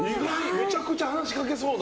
めちゃくちゃ話しかけそうな。